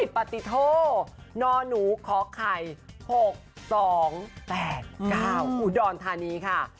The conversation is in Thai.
ปฏิโทนหนูขอไข่๖๒๘๙อุดรธานีค่ะ